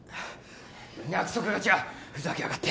約束が違う、ふざけやがって！